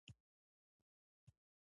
له خلکو سره مې هم نه وه جوړه.